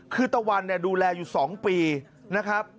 คือตะวันเนี่ยดูแลอยู่๒ปีนะครับ